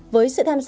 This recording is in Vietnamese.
với sự tham gia